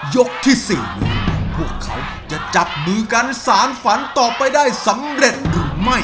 ยกที่๔นี้พวกเขาจะจับมือกันสารฝันต่อไปได้สำเร็จหรือไม่